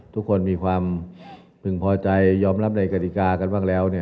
ทุกคนมีความพึงพอใจยอมรับในกฎิกากันบ้างแล้ว